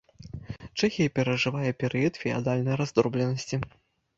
Чэхія перажывае перыяд феадальнай раздробленасці.